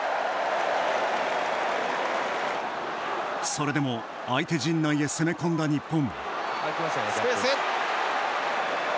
それでも相手陣内へ攻め込んだ日本。